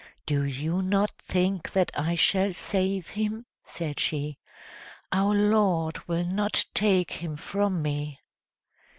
"Do you not think that I shall save him?" said she. "Our Lord will not take him from me!"